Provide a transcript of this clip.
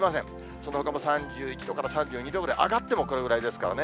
そのほかも３１度から３２度ぐらい、上がってもこれぐらいですからね。